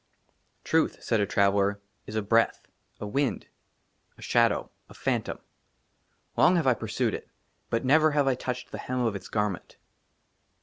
TRUTH," SAID A TRAVELLER, *' IS A BREATH, A WIND, " A SHADOW, A PHANTOM ;" LONG HAVE I PURSUED IT, BUT NEVER HAVE I TOUCHED *' THE HEM OF ITS GARMENT."